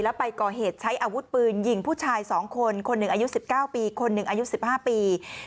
แล้วไปก่อเหตุใช้อาวุธปืนยิงผู้ชาย๒คนคนหนึ่งอายุ๑๙ปีคนหนึ่งอายุ๑๕ปี